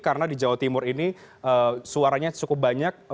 karena di jawa timur ini suaranya cukup banyak